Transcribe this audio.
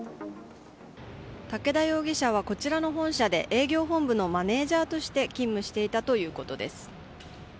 武田容疑者は、こちらの本社で営業本部のマネジャーとして勤務していたということです。